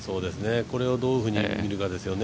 これをどういうふうに見るかですよね。